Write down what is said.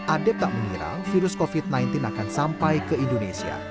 adep tak mengira virus covid sembilan belas akan sampai ke indonesia